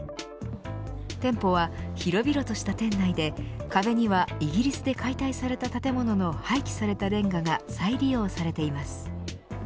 店舗は、広々とした店内で壁にはイギリスで解体された建物の廃棄されたれんがが再利用されています。